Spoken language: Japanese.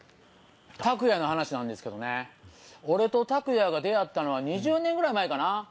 タクヤの話なんですけどね俺とタクヤが出会ったのは２０年ぐらい前かな。